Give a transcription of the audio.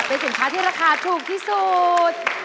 เป็นสินค้าที่ราคาถูกที่สุด